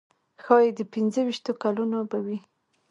ښایي د پنځه ویشتو کلونو به وي.